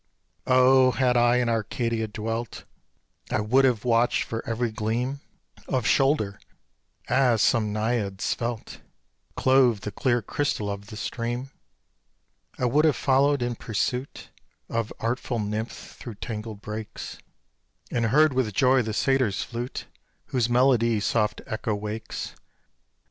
Oh, had I in Arcadia dwelt I would have watched for every gleam Of shoulder, as some naiad svelt Clove the clear crystal of the stream; I would have followed in pursuit Of artful nymph through tangled brakes, And heard with joy the satyr's flute, Whose melody soft echo wakes.